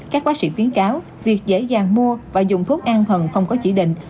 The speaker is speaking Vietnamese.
các bác sĩ khuyến cáo việc dễ dàng mua và dùng thuốc an thần không có chỉ định